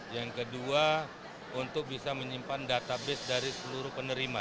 yang kedua untuk bisa menyimpan database dari seluruh penerima